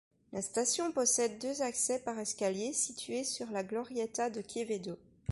La station possède deux accès par escalier situés sur la glorieta de Quevedo.